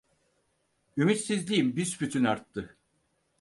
Ümitsizliğim büsbütün arttı.